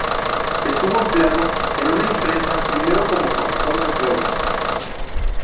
Estuvo empleado en una imprenta, primero como corrector de pruebas.